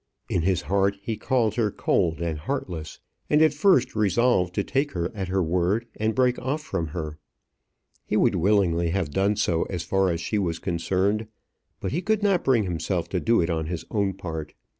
In his heart he called her cold and heartless, and at first resolved to take her at her word and break off from her. He would willingly have done so as far as she was concerned; but he could not bring himself to do it on his own part.